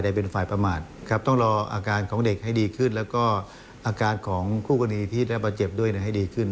เพราะว่าอาการของคู่กฎีที่ได้ประเจ็บด้วยให้ดีขึ้น